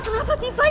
kenapa sih pak